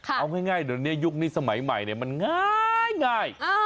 เอาง่ายเดี๋ยวนี้ยุคนี้สมัยใหม่มันง่าย